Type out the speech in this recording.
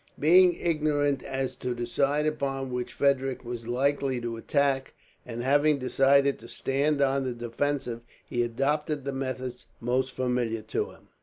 Being ignorant as to the side upon which Frederick was likely to attack, and having decided to stand on the defensive, he adopted the methods most familiar to him.